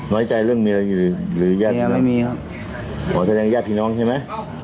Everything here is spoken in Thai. น้อยใจเรื่องมีอะไรอยู่หรือหรือย่าไม่มีครับอ๋อแสดงย่าผีน้องใช่ไหม